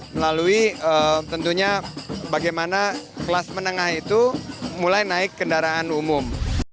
melalui tentunya bagaimana kelas menengah itu mulai naik kendaraan umum